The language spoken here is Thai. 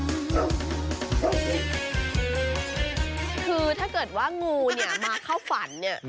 คือถ้าเกิดว่างูมาเข้าฝันนี่